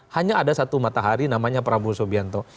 hanya ada satu matahari namanya prabowo subianto